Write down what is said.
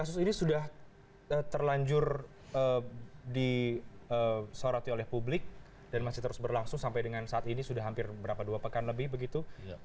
jadi sudah terlanjur disoroti oleh publik dan masih terus berlangsung sampai dengan saat ini sudah hampir berapa dua pekan lebih begitu